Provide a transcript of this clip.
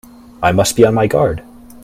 I must be on my guard!